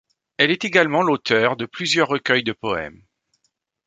Elle est également l’auteure de plusieurs recueils de poèmes.